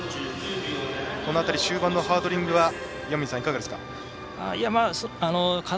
この辺り、終盤のハードリングはいかがですか。